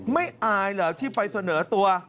อายเหรอที่ไปเสนอตัว